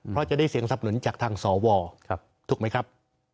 เพราะจะได้เสียงสับหนุนจากทางสวถูกไหมครับ